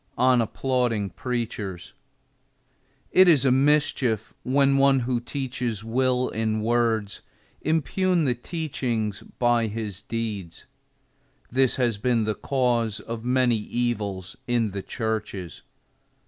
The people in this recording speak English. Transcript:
II. ON APPLAUDING PREACHERS It is a mischief when one who teaches will in words impugn the teachings by his deeds. This has been the cause of many evils in the churches.